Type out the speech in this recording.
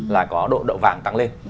là có độ đậu vàng tăng lên